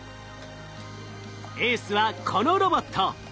エースはこのロボット。